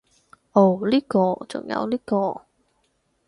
噢呢個，仲有呢個